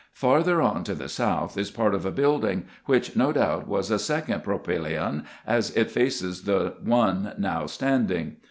Farther on to the south is part of a building, which no doubt was a second propyheon, as it faces the one now standing.